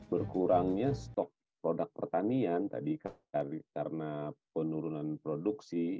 berkurangnya stok produk pertanian tadi karena penurunan produksi